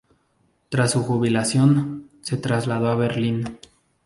Tras su jubilación, se trasladó a Berlín.